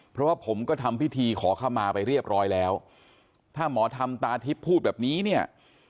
เพราะว่าผมก็ทำพิธีขอเข้ามาไปเรียบร้อยแล้วถ้าหมอธรรมตาทิพย์พูดแบบนี้เนี่ย